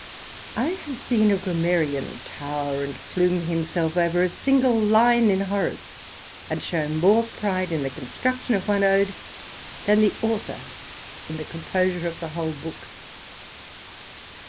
I have seen a Grammarian towr and plume himself over a single line in Horace, and shew more pride in the construction of one Ode, than the Author in the composure of the whole book.